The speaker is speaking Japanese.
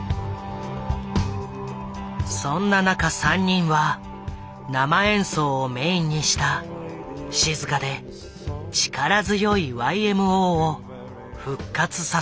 そんな中３人は生演奏をメインにした静かで力強いＹＭＯを復活させた。